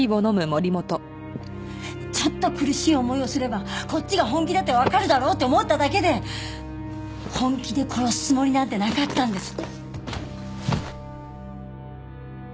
ちょっと苦しい思いをすればこっちが本気だってわかるだろうって思っただけで本気で殺すつもりなんてなかったんです。